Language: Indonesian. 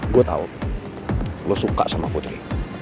gue tau lo suka sama putri